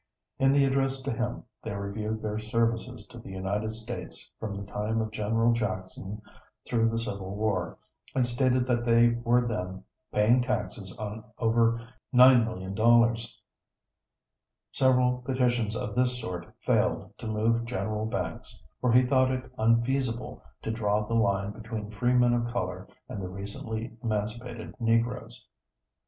In the address to him, they reviewed their services to the United States from the time of General Jackson through the Civil War, and stated that they were then paying taxes on over $9,000,000. Several petitions of this sort failed to move General Banks, for he thought it unfeasible to draw the line between free men of color and the recently emancipated Negroes.